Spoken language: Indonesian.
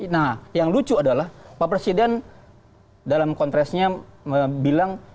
nah yang lucu adalah pak presiden dalam kontesnya bilang